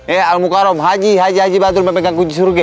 eh al mukarram haji haji badrun memegang kunci surga